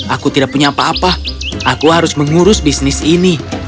aku tidak punya apa apa aku harus mengurus bisnis ini